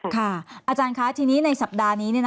อาจารย์คะทีนี้ในสัปดาห์นี้